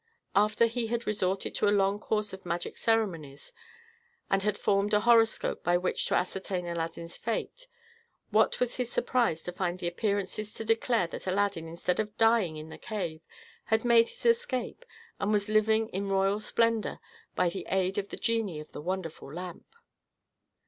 After he had resorted to a long course of magic ceremonies, and had formed a horoscope by which to ascertain Aladdin's fate, what was his surprise to find the appearances to declare that Aladdin, instead of dying in the cave, had made his escape, and was living in royal splendor, by the aid of the genie of the wonderful lamp!